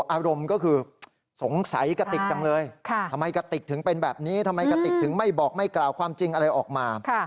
อารมณ์ก็คือสงสัยกระติกจังเลยทำไมกติกถึงเป็นแบบนี้ทำไมกระติกถึงไม่บอกไม่กล่าวความจริงอะไรออกมา